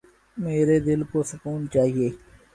میرے دل کو سکون چایئے